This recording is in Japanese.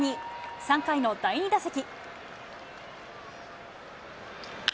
３回の第２打席。